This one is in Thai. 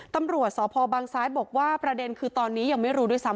ตำรวจสพบังซ้ายบอกว่าประเด็นคือตอนนี้ยังไม่รู้ด้วยซ้ำ